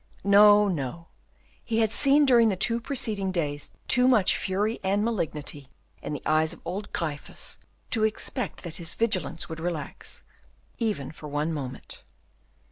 No, no. He had seen during the two preceding days too much fury and malignity in the eyes of old Gryphus to expect that his vigilance would relax, even for one moment.